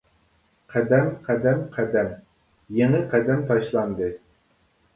قەدەم، قەدەم، قەدەم، يېڭى قەدەم تاشلاندى.